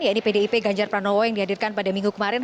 yaitu pdip ganjar pranowo yang dihadirkan pada minggu kemarin